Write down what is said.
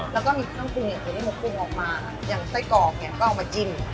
แล้วก็มีส่วนผุงส่วนผุงออกมาอย่างไส้กรอบเนี่ยก็เอามาจิ้ม